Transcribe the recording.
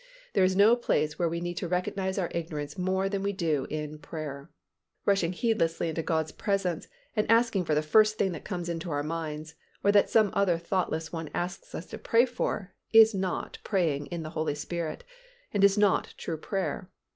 There is no place where we need to recognize our ignorance more than we do in prayer. Rushing heedlessly into God's presence and asking the first thing that comes into our minds, or that some other thoughtless one asks us to pray for, is not praying "in the Holy Spirit" and is not true prayer.